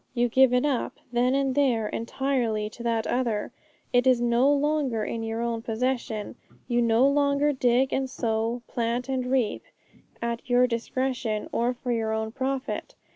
You give it up, then and there, entirely to that other; it is no longer in your own possession; you no longer dig and sow, plant and reap, at your discretion or for your own profit.